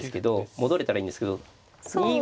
戻れたらいいんですけど。